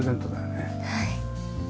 はい。